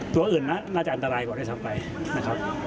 ตัวอื่นน่าจะอันตรายกว่าได้สำคัญนะครับ